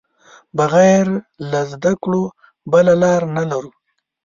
بغیر له زده کړو بله لار نه لرو.